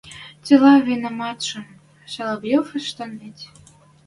— Цилӓ винаматшым Савельев ӹштен веть...